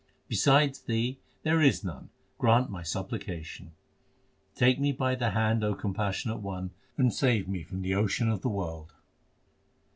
Beside Thee there is none : grant my supplication. Take me by the hand, O Compassionate One, and save me from the ocean of the world.